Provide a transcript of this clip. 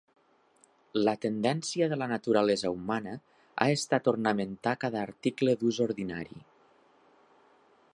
La tendència de la naturalesa humana ha estat ornamentar cada article d'ús ordinari.